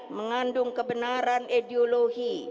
mengandung kebenaran ideologi